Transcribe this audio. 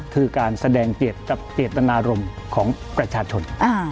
คือการแสดงเจตนารมณ์ของประชาชน